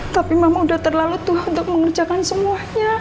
tapi mama udah terlalu tuah untuk mengerjakan semuanya